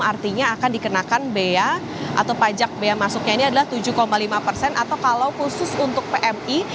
artinya akan dikenakan bea atau pajak beya masuknya ini adalah tujuh lima persen atau kalau khusus untuk pmi